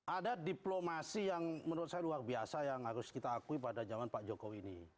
ada diplomasi yang menurut saya luar biasa yang harus kita akui pada zaman pak jokowi ini